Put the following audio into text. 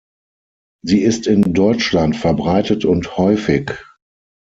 Sie ist in Deutschland verbreitet und häufig.